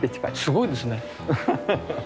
すごいですね。